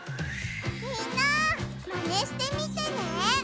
みんなマネしてみてね！